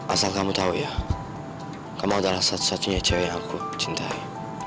asal kamu tahu ya kamu adalah satu satunya jauh yang aku cintai